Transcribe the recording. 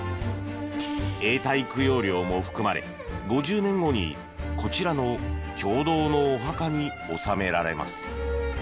永代供養料も含まれ５０年後にこちらの共同のお墓に納められます。